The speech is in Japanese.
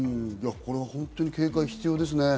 これは本当に警戒が必要ですね。